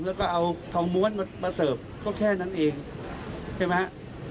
แล้วก็เอาทองม้วนมาเสิร์ฟก็แค่นั้นเองใช่ไหมฮะ